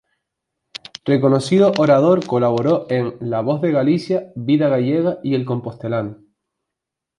Reconocido orador, colaboró en "La Voz de Galicia", "Vida Gallega" y "El Compostelano.